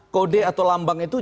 kode atau lambang itu